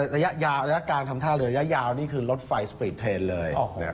ระยะยาวระยะกลางทำท่าเรือระยะยาวนี่คือรถไฟสปีดเทรนด์เลย